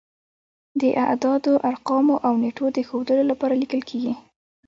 د اعدادو، ارقامو او نېټو د ښودلو لپاره لیکل کیږي.